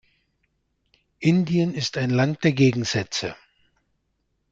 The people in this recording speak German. Indien ist ein Land der Gegensätze.